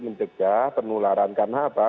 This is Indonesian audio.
mendegah penularan karena apa